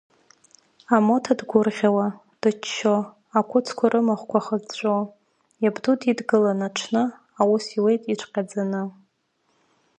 Амоҭа дгәырӷьауа, дыччо, ақәыцқәа рымахәқәа хыҵәҵәо, иабду дидгылан аҽны, аус иуит иҽҟьаӡаны.